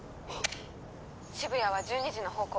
渋谷は１２時の方向